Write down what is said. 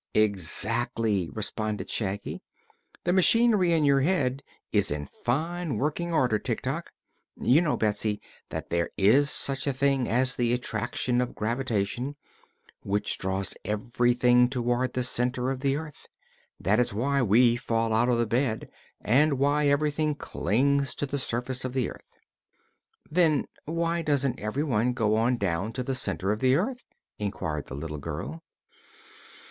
"Exactly," responded Shaggy. "The machinery in your head is in fine working order, Tik Tok. You know, Betsy, that there is such a thing as the Attraction of Gravitation, which draws everything toward the center of the earth. That is why we fall out of bed, and why everything clings to the surface of the earth." "Then why doesn't everything go on down to the center of the earth?" inquired the little girl.